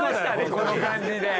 この感じで。